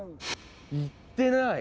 言ってない！